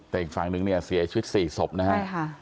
แต่อีกฝั่งนึงเนี่ยเสียชีวิต๔ศพนะฮะใช่ค่ะ